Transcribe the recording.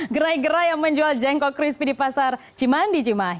gerai gerai yang menjual jengkok crispy di pasar cimandi cimahi